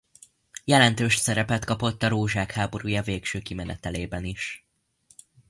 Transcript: Jelentős szerepet kapott a rózsák háborúja végső kimenetelében is.